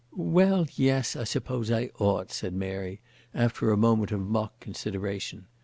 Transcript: "Well, yes; I suppose I ought," said Mary, after a moment of mock consideration.